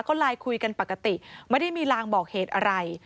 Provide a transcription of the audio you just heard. ก็ไลน์คุยกันปกติไม่ได้มีลางบอกเหตุอะไร